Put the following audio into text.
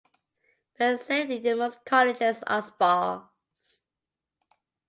Facilities in most colleges are sparse.